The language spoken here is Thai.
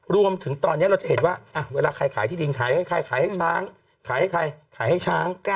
รวมถึงตอนนี้เราจะเห็นว่าเวลาใครขายที่ดินขายให้ใครขายให้ช้าง